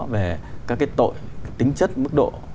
về các cái tội tính chất mức độ